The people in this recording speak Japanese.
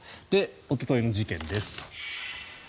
おとといの事件です。